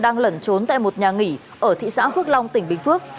đang lẩn trốn tại một nhà nghỉ ở thị xã phước long tỉnh bình phước